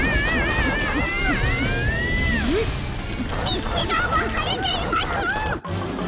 みちがわかれています！